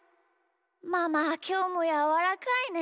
ママはきょうもやわらかいね。